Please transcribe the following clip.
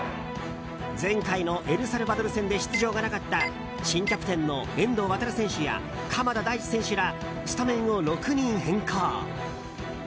前回のエルサルバドル戦で出場がなかった新キャプテンの遠藤航選手や鎌田大地選手らスタメンを６人変更。